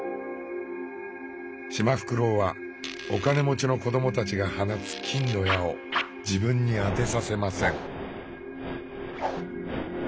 シマフクロウはお金持ちの子どもたちが放つ金の矢を自分に当てさせません。